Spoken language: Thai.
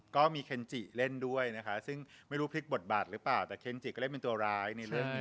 ก็มีเคนจิเล่นด้วยนะคะซึ่งไม่รู้พลิกบทบาทหรือเปล่าแต่เคนจิก็เล่นเป็นตัวร้ายในเรื่องนี้